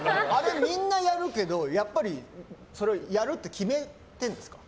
みんなやるけどやっぱりやるって決めてるんですか？